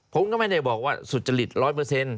ผมก็ไม่ได้บอกว่าสุจริตร้อยเปอร์เซ็นต